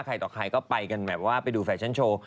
ต่อใครก็ไปกันแบบว่าไปดูแฟชั่นโชว์